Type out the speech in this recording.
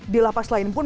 di lapas lain pun